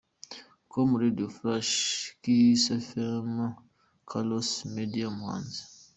com, Radio flash, Kfm, Karaos Media, Umuhanzi.